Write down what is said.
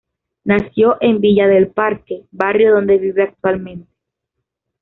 Nació en Villa del Parque, barrio donde vive actualmente.